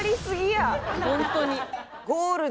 ホントに。